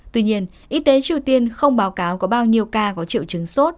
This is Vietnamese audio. tuy nhiên y tế triều tiên không báo cáo có bao nhiêu ca có triệu chứng sốt